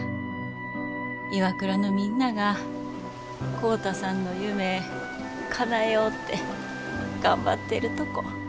ＩＷＡＫＵＲＡのみんなが浩太さんの夢かなえよって頑張ってるとこ。